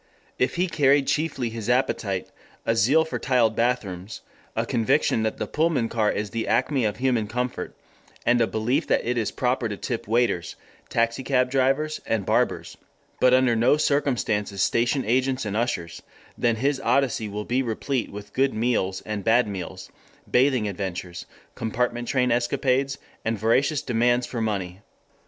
If he carried chiefly his appetite, a zeal for tiled bathrooms, a conviction that the Pullman car is the acme of human comfort, and a belief that it is proper to tip waiters, taxicab drivers, and barbers, but under no circumstances station agents and ushers, then his Odyssey will be replete with good meals and bad meals, bathing adventures, compartment train escapades, and voracious demands for money.